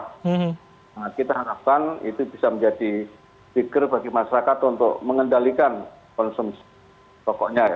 nah kita harapkan itu bisa menjadi figur bagi masyarakat untuk mengendalikan konsumsi pokoknya